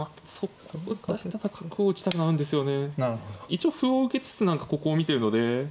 一応歩を受けつつ何かここを見てるので。